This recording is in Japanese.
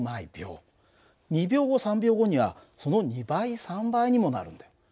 ２秒後３秒後にはその２倍３倍にもなるんだよ。